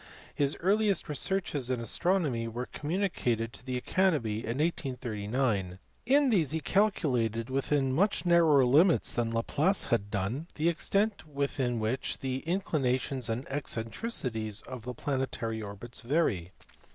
His earliest researches in astronomy were communicated to the Academy in 1839 : in these he calculated within much narrower limits than Laplace had done the extent within which the incli nations and eccentricities of the planetary orbits vary.